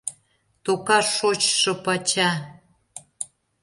Тока шочшо пача!